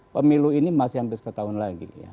pemilu ini masih hampir setahun lagi